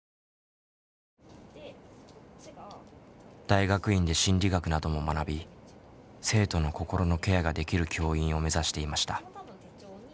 大学院で心理学なども学び生徒の心のケアができる教員を目指していました。